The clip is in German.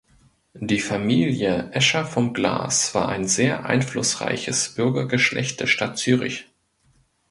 Die Familie Escher vom Glas war ein sehr einflussreiches Bürgergeschlecht der Stadt Zürich.